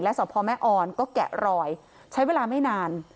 สพแม่ออนก็แกะรอยใช้เวลาไม่นาน